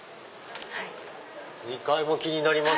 ２階も気になります。